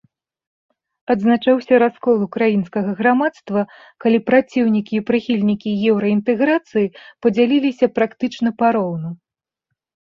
Адзначаўся раскол украінскага грамадства, калі праціўнікі і прыхільнікі еўраінтэграцыі падзяліліся практычна пароўну.